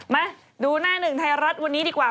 มาดูหน้าหนึ่งไทยรัฐวันนี้ดีกว่า